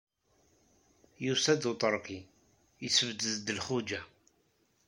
Yusa-d uṭerki, yesbedd-d Lxuǧa.